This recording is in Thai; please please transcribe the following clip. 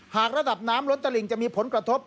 หากระดับน้ำล้นตลิงจะมีผลกระทบ